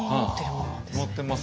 持ってます。